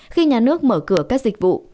khi nhà nước mở cửa các dịch vụ